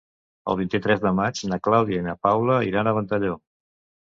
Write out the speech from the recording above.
El vint-i-tres de maig na Clàudia i na Paula iran a Ventalló.